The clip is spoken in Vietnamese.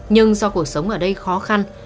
nhưng do cuộc sống ở đây khó khăn